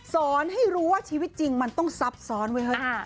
สอนให้รู้ว่าชีวิตจริงมันต้องซับซ้อนไว้เถอะ